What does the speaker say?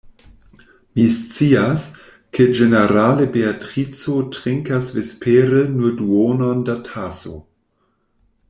Mi scias, ke ĝenerale Beatrico trinkas vespere nur duonon da taso.